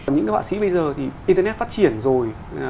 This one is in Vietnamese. những các bác sĩ bây giờ thì internet phát triển rồi